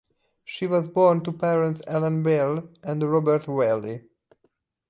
She was born to parents Ellen Belle and Robert Whalley.